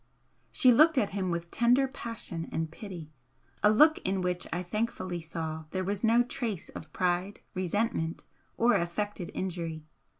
She looked at him with tender passion and pity a look in which I thankfully saw there was no trace of pride, resentment or affected injury.